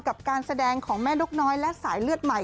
กับการแสดงของแม่นกน้อยและสายเลือดใหม่